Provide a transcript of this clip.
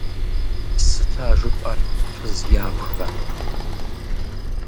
Сыт а жыпӀэр, фыз ябгэ?!